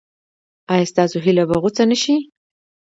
ایا ستاسو هیله به غوڅه نشي؟